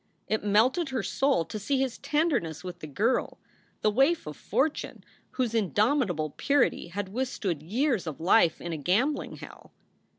It melted her soul to see his tender ness with the girl, the waif of fortune, whose indomitable purity had withstood years of life in a gambling hell.